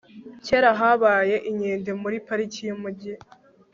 kera habaye inkende muri pariki yumujyi